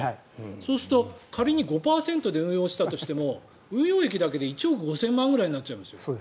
そうすると仮に５％で運用したとしても運用益だけで１億５０００万円ぐらいになりますよ。